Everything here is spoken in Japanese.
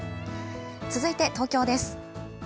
続いて東京です。